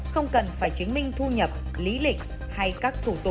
không em ở đây chống tên người cho chứ